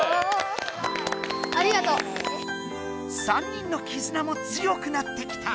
３人の絆も強くなってきた！